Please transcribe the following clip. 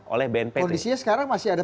oleh bnn kondisinya sekarang masih ada